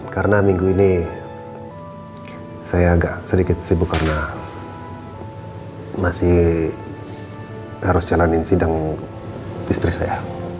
karena minggu ini saya agak sedikit sibuk karena masih harus jalanin sidang istri saya